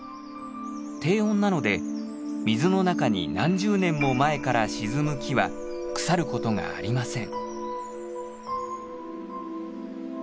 低温なので水の中に何十年も前から沈む木は腐ることがありません。